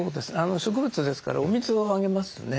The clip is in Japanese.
植物ですからお水をあげますね。